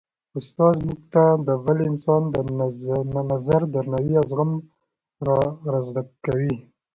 استاد موږ ته د بل انسان د نظر درناوی او زغم را زده کوي.